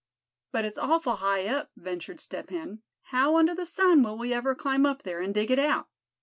"But it's awful high up," ventured Step Hen. "How under the sun will we ever climb up there, and dig it out?"